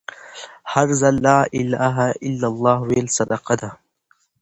هر ځل لا إله إلا لله ويل صدقه ده